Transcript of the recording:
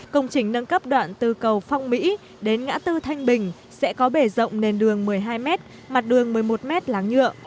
công trình nâng cấp đoạn từ cầu phong mỹ đến ngã tư thanh bình sẽ có bể rộng nền đường một mươi hai m mặt đường một mươi một m láng nhựa